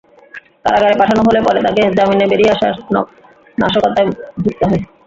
কারাগারে পাঠানো হলে পরে তারা জামিনে বেরিয়ে আবার নাশকতায় যুক্ত হয়।